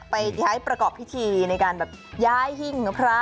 ไปย้ายประกอบพิธีในการแบบย้ายหิ้งพระ